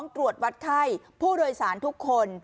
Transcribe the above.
ตรวจวัดไข้ผู้โดยสารทุกคน